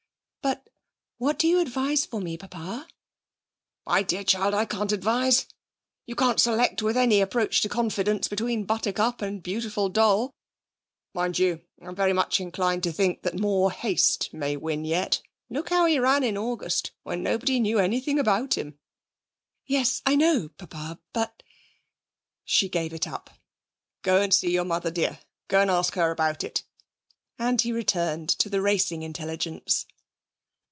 'But what do you advise for me, papa?' 'My dear child, I can't advise. You can't select with any approach to confidence between Buttercup and Beautiful Doll. Mind you, I'm very much inclined to think that More Haste may win yet. Look how he ran in August, when nobody knew anything about him!' 'Yes, I know, papa, but ' She gave it up. 'Go and see your mother, dear; go and ask her about it,' and he returned to the racing intelligence.